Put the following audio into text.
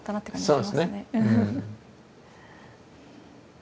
そうですねうん。